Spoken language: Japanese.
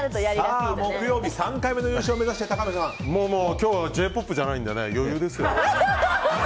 木曜日、３回目の優勝を目指してもう今日はＪ‐ＰＯＰじゃないので余裕ですよ。